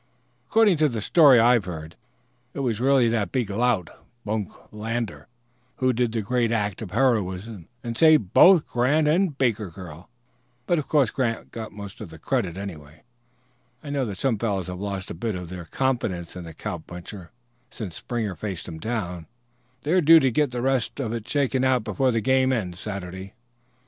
According to the story I've heard, it was really that big lout, Bunk Lander, who did the great act of heroism and saved both Grant and the Barker girl; but of course Grant got most of the credit. Anyway, I know that some fellows have lost a bit of their confidence in the cowpuncher since Springer faced him down; they're due to get the rest of it shaken out before the game ends Saturday."